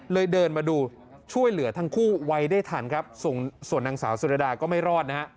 เดินมาดูช่วยเหลือทั้งคู่ไว้ได้ทันครับส่วนนางสาวสุรดาก็ไม่รอดนะฮะ